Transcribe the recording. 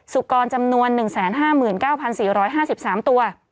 สุกรจำนวน๑๕๙๔๕๓ตัว